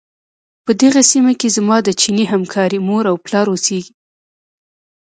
په دغې سيمې کې زما د چيني همکارې مور او پلار اوسيږي.